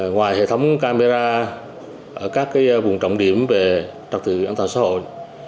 ngoài hệ thống camera ở các vùng trọng điểm về trật tự an toàn xã hội